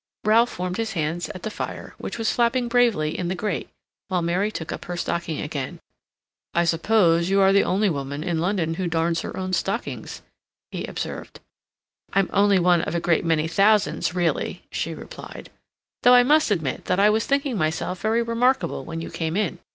Ralph warmed his hands at the fire, which was flapping bravely in the grate, while Mary took up her stocking again. "I suppose you are the only woman in London who darns her own stockings," he observed. "I'm only one of a great many thousands really," she replied, "though I must admit that I was thinking myself very remarkable when you came in.